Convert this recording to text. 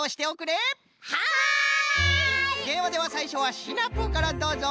ではではさいしょはシナプーからどうぞ！